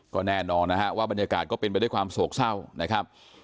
ก็แน่นอนนะฮะว่าบรรยากาศก็เป็นไปด้วยความโศกเศร้านะครับ